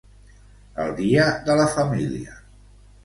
El dia de la família.